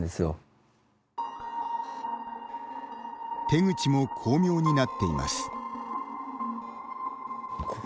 手口も巧妙になっています。